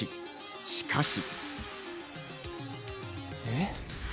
しかし。